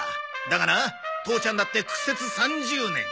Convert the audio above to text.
だがな父ちゃんだって苦節３０年。